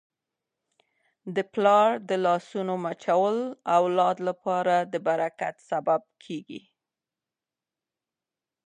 د پلار د لاسونو مچول د اولاد لپاره د برکت سبب کیږي.